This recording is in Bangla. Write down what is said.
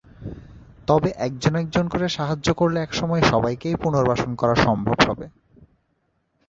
তবে একজন একজন করে সাহায্য করলে একসময় সবাইকেই পুনর্বাসন করা সম্ভব হবে।